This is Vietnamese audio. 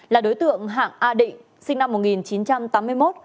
là đối tượng hạng a định sinh năm một nghìn chín trăm tám mươi một